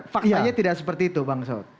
faktanya tidak seperti itu pak pak saud